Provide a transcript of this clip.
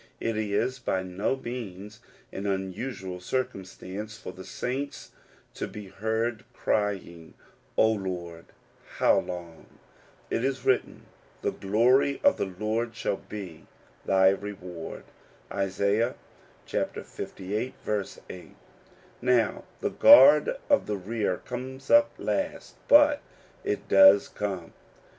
It is by no means an unusual circumstance for the saints to be heard crying, "O Lord, how long? It is written "the glory of the Lord shall be thy reward *' (Is. Iviii. 8). Now the guard of the rear comes up last, but it does come.